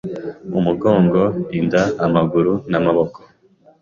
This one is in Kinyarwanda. umugongo, inda, amaguru n’amaboko